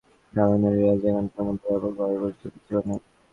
কারণ, আমাদের সময়ে জন্মদিন পালনের রেওয়াজ এখনকার মতো ব্যাপকভাবে প্রচলিত ছিল না।